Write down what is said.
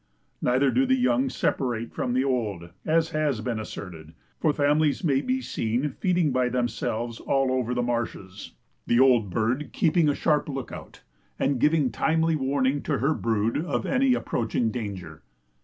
Neither do the young separate from the old, as has been asserted; for families may be seen feeding by themselves all over the marshes, the old bird keeping a sharp look out, and giving timely warning to her brood of any approaching danger.